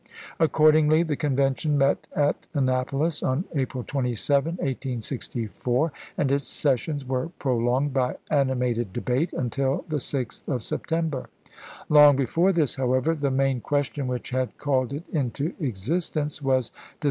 Accordingly, the Convention met at Annapolis on April 27, 1864, and its sessions were prolonged by animated debate until the 6th of September. Long before this, however, the main question which had called it into existence was de 1864.